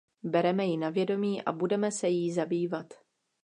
Bereme ji na vědomí a budeme se jí zabývat.